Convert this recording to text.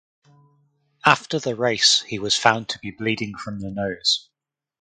After the race he was found to be bleeding from the nose.